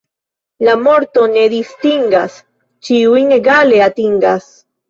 La morto ne distingas, ĉiujn egale atingas.